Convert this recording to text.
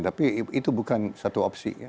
tapi itu bukan satu opsi ya